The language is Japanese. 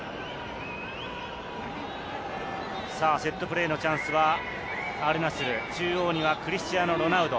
セットプレーのチャンスはアルナスル、中央にはクリスティアーノ・ロナウド。